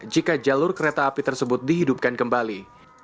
jika jalur kereta api tersebut dihidupkan kembali